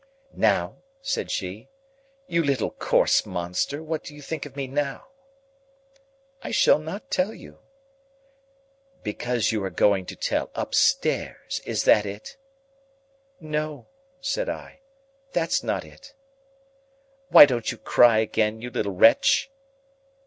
"Now?" said she. "You little coarse monster, what do you think of me now?" "I shall not tell you." "Because you are going to tell upstairs. Is that it?" "No," said I, "that's not it." "Why don't you cry again, you little wretch?"